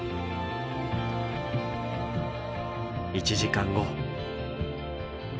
１時間後。